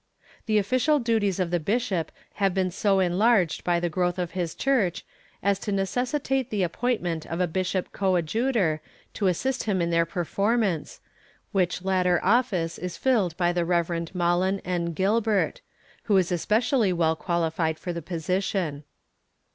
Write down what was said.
The official duties of the bishop have been so enlarged by the growth of his church as to necessitate the appointment of a bishop coadjutor to assist him in their performance, which latter office is filled by the Rev. Mahlon N. Gilbert, who is especially well qualified for the position.